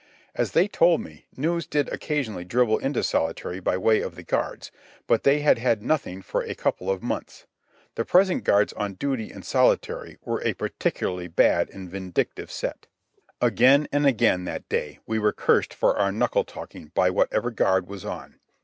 As they told me, news did occasionally dribble into solitary by way of the guards, but they had had nothing for a couple of months. The present guards on duty in solitary were a particularly bad and vindictive set. Again and again that day we were cursed for our knuckle talking by whatever guard was on.